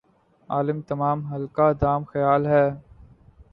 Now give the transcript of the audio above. عالم تمام حلقہ دام خیال ھے